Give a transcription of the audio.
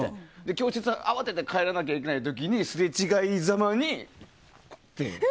教室に慌てて帰らないといけない時にすれ違いざまに、ぱって。